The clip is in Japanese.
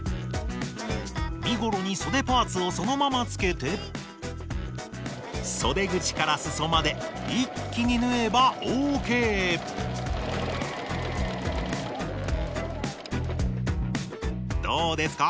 身ごろにそでパーツをそのまま付けてそで口からすそまで一気に縫えばＯＫどうですか？